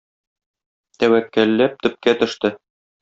Тәвәккәлләп төпкә төште.